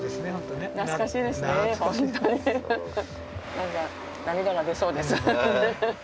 何か涙が出そうです。